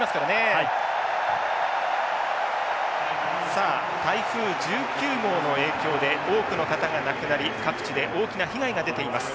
さあ台風１９号の影響で多くの方が亡くなり各地で大きな被害が出ています。